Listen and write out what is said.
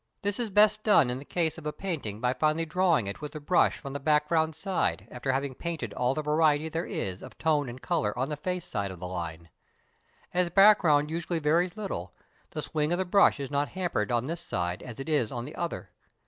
This is best done in the case of a painting by finally drawing it with the brush from the background side, after having painted all the variety there is of tone and colour on the face side of the line. As the background usually varies little, the swing of the brush is not hampered on this side as it is on the other.